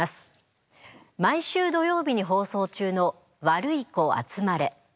毎週土曜日に放送中の「ワルイコあつまれ」。